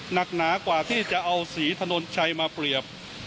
หนักหนากว่าที่จะเอาสีถนนชัยมาเปรียบ